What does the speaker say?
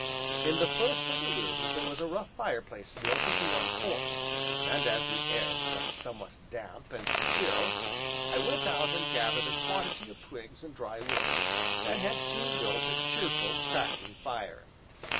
In the first of the rooms there was a rough fireplace built into one corner, and as the air struck somewhat damp and chill, I went out and gathered a quantity of twigs and dry wood, and had soon built a cheerful, crackling fire.